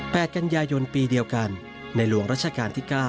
แปดกันยายนตร์ปีเดียวกันในหลวงราชการ๙